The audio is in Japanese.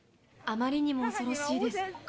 あまりにも恐ろしいです。